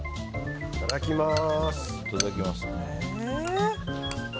いただきます。